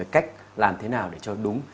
cách làm thế nào để cho đúng